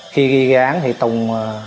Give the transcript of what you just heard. khi gây án thì tùng